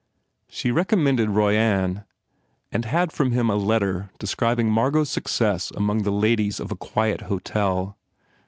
She recommended Royan and had from him a letter describing Margot s success among the ladies of a quiet hotel.